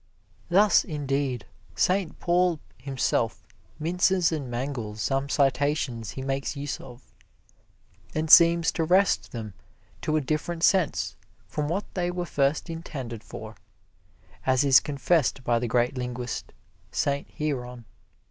Thus, indeed, Saint Paul himself minces and mangles some citations he makes use of, and seems to wrest them to a different sense from what they were first intended for, as is confessed by the great linguist, Saint Hieron.